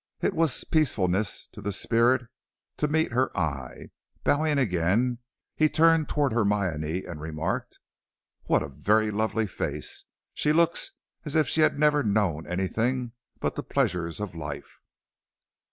It was peacefulness to the spirit to meet her eye. Bowing again, he turned towards Hermione and remarked: "What a very lovely face! She looks as if she had never known anything but the pleasures of life."